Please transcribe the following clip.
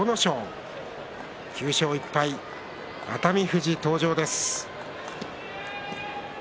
土俵は９勝１敗熱海富士、登場です。